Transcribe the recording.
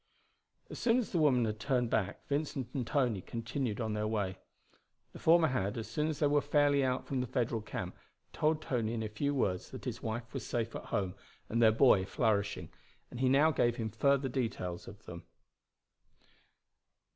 As soon as the woman had turned back Vincent and Tony continued on their way. The former had, as soon as they were fairly out from the Federal camp, told Tony in a few words that his wife was safe at home and their boy flourishing, and he now gave him further details of them.